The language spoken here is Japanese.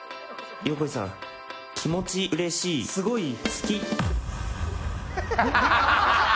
横井さん、気持ちうれしいすごい好き。